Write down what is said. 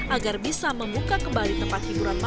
agar bisa membuka kembali tempat hiburan